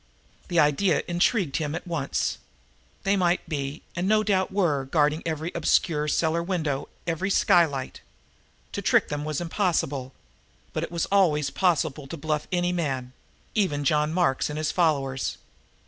The idea intrigued him at once. They might be, and no doubt were, guarding every obscure cellar window, every skylight. To trick them was impossible, but it was always possible to bluff any man even John Mark and his followers.